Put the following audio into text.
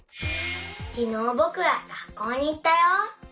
きのうぼくはがっこうにいったよ。